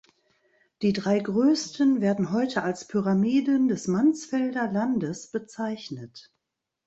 Die drei größten werden heute als Pyramiden des Mansfelder Landes bezeichnet.